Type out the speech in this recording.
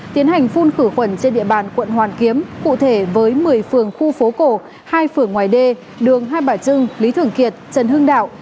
tiến hành phun khử khuẩn trên địa bàn quận hoàn kiếm cụ thể với một mươi phường khu phố cổ hai phường ngoài đê đường hai bà trưng lý thường kiệt trần hưng đạo